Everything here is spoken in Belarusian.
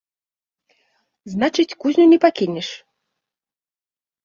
Значыць, кузню не пакінеш?